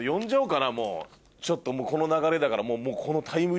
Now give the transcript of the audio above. ちょっともうこの流れだからもう。